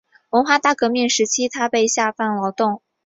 文化大革命时期他被下放劳动。